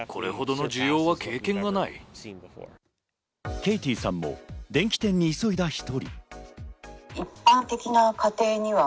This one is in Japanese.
ケイティさんも電気店に急いだ１人。